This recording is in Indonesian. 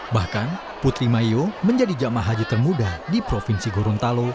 bahkan putri mayo menjadi jamaah haji termuda di provinsi gorontalo